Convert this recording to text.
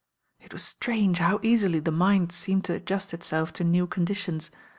It was strange how easily the mind seemed to adjust Itself to new conditions.